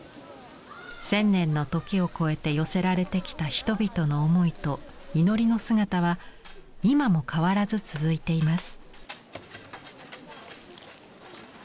千年の時を超えて寄せられてきた人々の思いと祈りの姿は今も変わらず続いています。